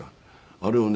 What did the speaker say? あれをね